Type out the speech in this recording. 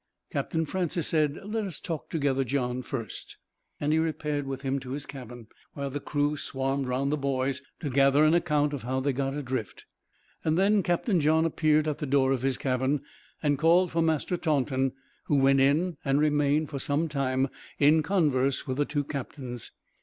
Captain Francis said, "Let us talk together, John, first;" and he repaired with him to his cabin, while the crew swarmed round the boys, to gather an account of how they got adrift. Then Captain John appeared at the door of his cabin, and called for Master Taunton, who went in and remained, for some time, in converse with the two captains.